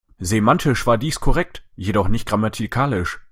Semantisch war dies korrekt, jedoch nicht grammatikalisch.